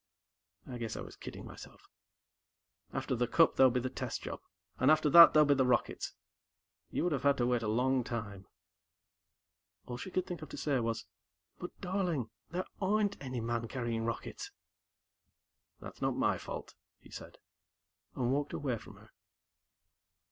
"I guess I was kidding myself. After the Cup, there'll be the test job, and after that, there'll be the rockets. You would have had to wait a long time." All she could think of to say was, "But, Darling, there aren't any man carrying rockets." "That's not my fault," he said, and walked away from her.